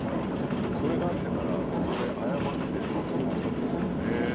それがあってから謝ってずっとそれを使ってましたね。